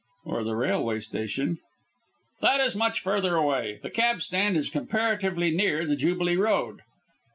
"Or the railway station." "That is much further away. The cab stand is comparatively near the Jubilee Road."